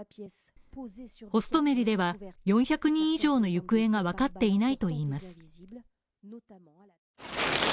ホストメリでは４００人以上の行方が分かっていないといいます。